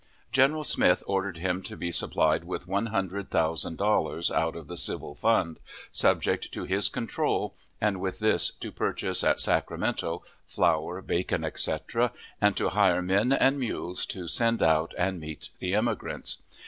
General Smith ordered him to be supplied with one hundred thousand dollars out of the civil fund, subject to his control, and with this to purchase at Sacramento flour, bacon, etc., and to hire men and mules to send out and meet the immigrants.